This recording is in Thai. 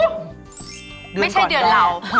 ไม่ใช่เดือนเรา